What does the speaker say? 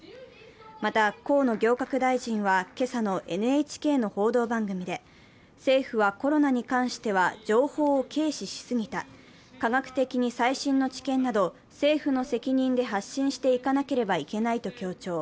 また、河野行革大臣は今朝のＮＨＫの報道番組で政府はコロナに関しては情報を軽視しすぎた、科学的に最新の知見など政府の責任で発信していかなければいけないと強調。